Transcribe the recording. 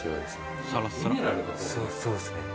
そうですね。